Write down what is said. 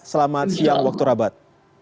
selamat siang waktu rabat